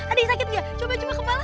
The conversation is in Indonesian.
ada yang sakit gak coba coba kepala